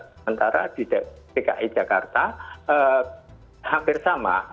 sementara di dki jakarta hampir sama